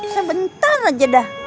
sebentar aja dah